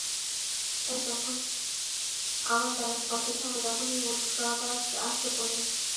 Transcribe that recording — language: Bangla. তাই যখন আমার ডায়েট কমপ্লিট হবে তখনই উল্কাটা আছড়ে পড়বে!